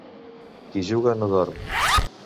Qui juga no dorm.